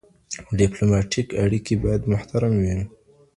ډیپلوماټیک اړیکي باید محترم وي.